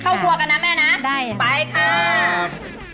ข้าวครัวกันนะแม่นะไปครับได้ครับครับ